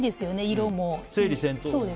色も。